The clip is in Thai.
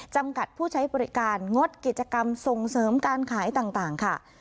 จำกัดผู้ใช้บริการงดกิจกรรมส่งเสริมการขายต่างค่ะ